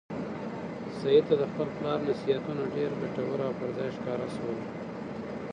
سعید ته د خپل پلار نصیحتونه ډېر ګټور او پر ځای ښکاره شول.